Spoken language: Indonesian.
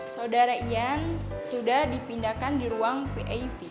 saudara ian sudah dipindahkan di ruang vip